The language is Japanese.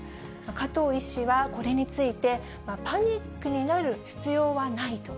加藤医師はこれについて、パニックになる必要はないと。